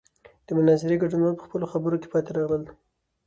د مناظرې ګډونوال په خپلو خبرو کې پاتې راغلل.